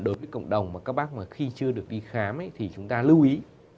đối với cộng đồng mà các bác mà khi chưa được đi khám thì chúng ta lưu ý